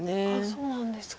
そうなんですか。